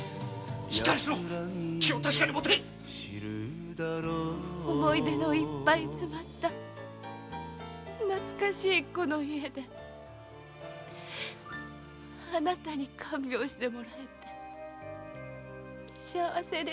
しっかりしろ思い出のいっぱい詰まった懐かしいこの家であなたに看病してもらえて幸せでした。